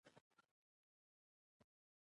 نو دوی ځمکې په وړو ټوټو وویشلې.